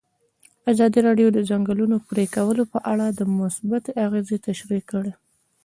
ازادي راډیو د د ځنګلونو پرېکول په اړه مثبت اغېزې تشریح کړي.